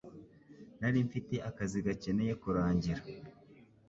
Nari mfite akazi gakeneye kurangira.